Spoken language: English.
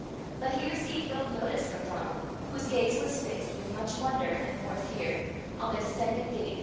But he received little notice from Donal, whose gaze was fixed, with much wonder and more fear, on the descending Gibbie.